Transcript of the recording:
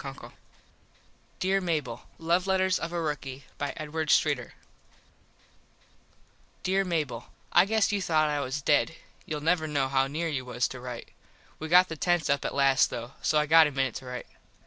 ... 60 Dere Mable Love Letters of a Rookie Dere Mable: I guess you thought I was dead. Youll never know how near you was to right. We got the tents up at last, though, so I got a minit to rite.